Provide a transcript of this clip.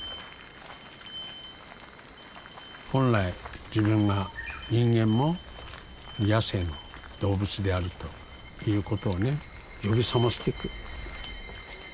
本来自分が人間も野性の動物であるということをね呼び覚ましていく。